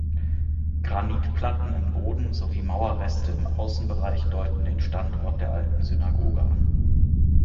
Granitplatten im Boden sowie Mauerreste im Außenbereich deuten den Standort der alten Synagoge an.